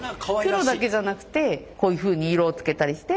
黒だけじゃなくてこういうふうに色をつけたりして。